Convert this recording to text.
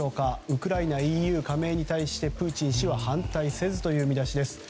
ウクライナ、ＥＵ加盟に対してプーチン氏は反対せずという見出しです。